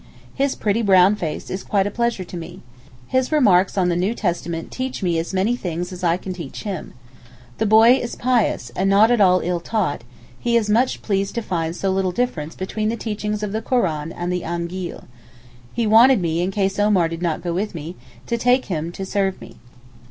His pretty brown face is quite a pleasure to me. His remarks on the New Testament teach me as many things as I can teach him. The boy is pious and not at all ill taught, he is much pleased to find so little difference between the teaching of the Koran and the Aangeel. He wanted me, in case Omar did not go with me, to take him to serve me.